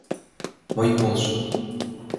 Мый полшем.